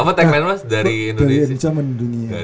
apa tag man mas dari indonesia